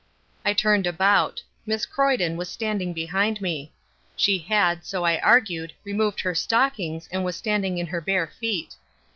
I turned about. Miss Croyden was standing behind me. She had, so I argued, removed her stockings and was standing in her bare feet.